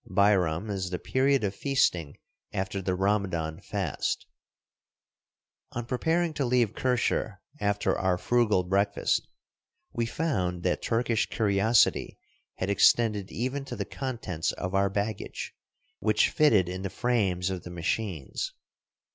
Bairam is the period of feasting after the Ramadan fast. EATING KAISERICHEN (EKMEK) OR BREAD. I 19 On preparing to leave Kirshehr after our frugal breakfast we found that Turkish curiosity had extended even to the contents of our baggage, which fitted in the frames of the machines.